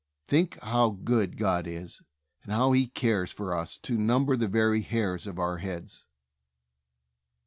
Think how good God is, and how He cares for us to number the very hairs of our heads."